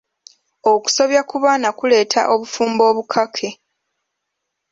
Okusobya ku baana kuleeta obufumbo obukake.